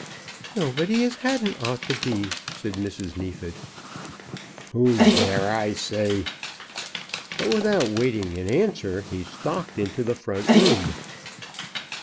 "Nobody as hadn't ought to be," said Mrs. Neefit. "Who's there, I say?" But without waiting for an answer, he stalked into the front room.